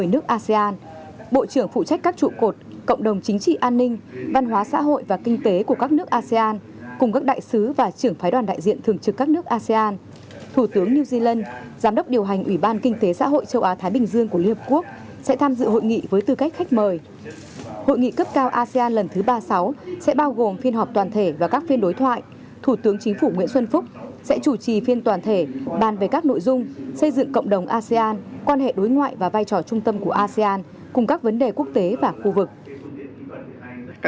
ngoài gồm phiên họp toàn thể và các phiên đối thoại thủ tướng chính phủ nguyễn xuân phúc sẽ chủ trì phiên toàn thể bàn về các nội dung xây dựng cộng đồng asean quan hệ đối ngoại và vai trò trung tâm của asean cùng các vấn đề quốc tế và khu vực